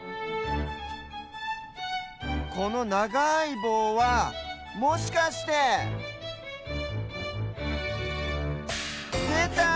このながいぼうはもしかしてでた！